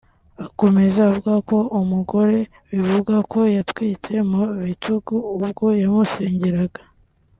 Akomeza avuga ko umugore bivugwa ko yatwitse mu bitugu ubwo yamusengeraga